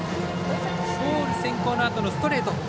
ボール先行のあとのストレート。